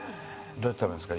どうやって食べるんですか？